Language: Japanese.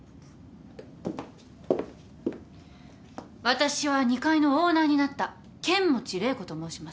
私は２階のオーナーになった剣持麗子と申します。